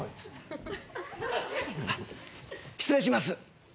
失礼します。